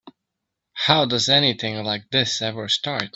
How does anything like this ever start?